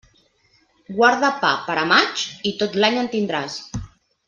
Guarda pa per a maig, i tot l'any en tindràs.